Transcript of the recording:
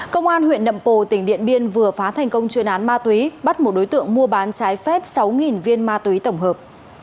công an huyện nậm pồ tỉnh điện biên vừa phá thành công chuyên án ma túy bắt một đối tượng mua bán trái phép sáu viên ma túy tổng hợp